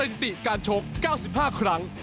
ถิติการชก๙๕ครั้ง